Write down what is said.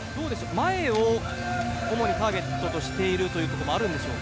前を主にターゲットにしているところもあるんでしょうか？